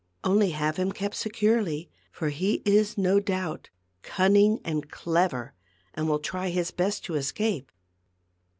Only have him kept securely ; for he is no doubt cunning and clever, and will try his best to escape."